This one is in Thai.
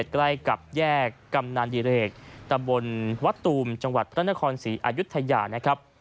ใกล้กับแยกกำนานดิเรกตำบลวัดตูมจังหวัดพระนครศรีอายุทยานะครับ